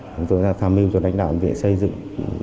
chúng tôi đã tham mưu cho lãnh đạo viện xây dựng